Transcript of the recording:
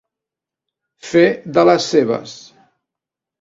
Fer de les seves.